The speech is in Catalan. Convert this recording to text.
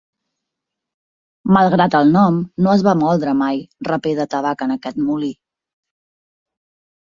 Malgrat el nom, no es va moldre mai rapè de tabac en aquest molí.